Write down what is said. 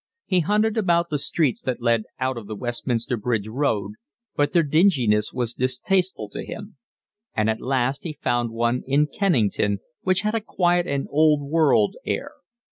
He hunted about the streets that led out of the Westminster Bridge Road, but their dinginess was distasteful to him; and at last he found one in Kennington which had a quiet and old world air.